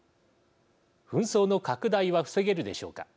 紛争の拡大は防げるでしょうか。